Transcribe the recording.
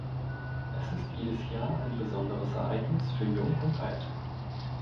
Es ist jedes Jahr ein besonderes Ereignis für Jung und Alt.